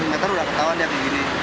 seratus meter udah ketahuan dia begini